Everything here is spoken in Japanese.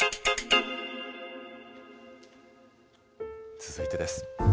続いてです。